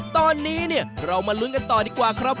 ตอนนี้เนี่ยเรามาลุ้นกันต่อดีกว่าครับ